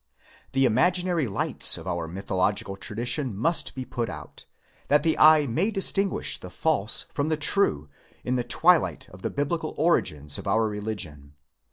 The imaginary lights of mythological tradition must be put out, that the eye may dis tinguish the false from the true in the twilight of the Biblical origins of our religion.